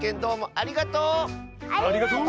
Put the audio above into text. ありがとう！